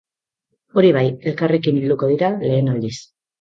Hori bai, elkarrekin bilduko dira, lehen aldiz.